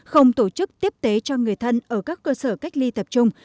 không tổ chức tiếp tế cho người thân ở các cơ sở cách ly tập trung